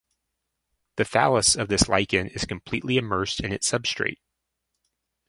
The thallus of this lichen is completely immersed in its substrate.